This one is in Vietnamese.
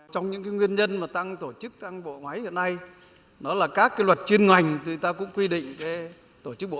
trong những nguyên nhân mà tăng tổ chức tăng bộ máy hiện nay nó là các luật chuyên ngành thì ta cũng quy định tổ chức bộ